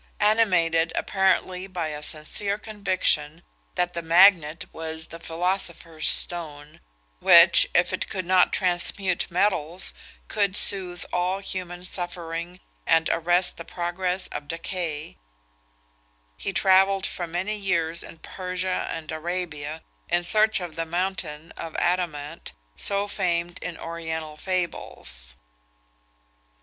Animated apparently by a sincere conviction that the magnet was the philosopher's stone, which, if it could not transmute metals, could soothe all human suffering and arrest the progress of decay, he travelled for many years in Persia and Arabia, in search of the mountain of adamant, so famed in oriental fables.